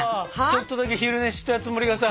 ちょっとだけ昼寝したつもりがさ